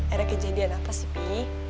ada kejadian apa sih pak